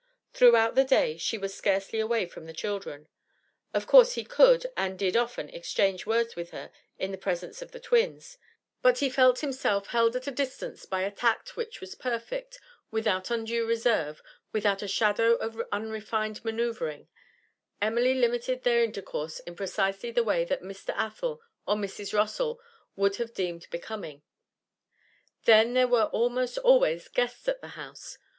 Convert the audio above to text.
Throughout the day she was scarcely away from the children; of course he could and did often exchange words with her in the presence of the twins, but he felt himself held at a distance by a tact which was perfect; without undue reserve, without a shadow of unrefined manoeuvring, Emily limited their intercourse in precisely the way that Mr. Athel or Mrs. Rossall would have deemed becoming. Then there were almost always guests at the house.